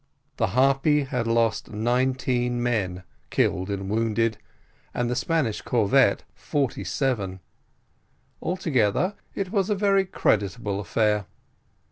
The Harpy had lost nineteen men, killed and wounded, and the Spanish corvette forty seven. Altogether, it was a very creditable affair.